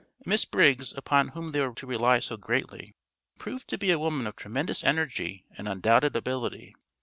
Miss Briggs, upon whom they were to rely so greatly, proved to be a woman of tremendous energy and undoubted ability.